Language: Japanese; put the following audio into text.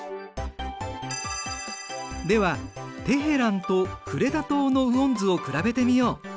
ではテヘランとクレタ島の雨温図を比べてみよう。